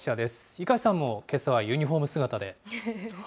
猪飼さんもけさはユニホーム姿で。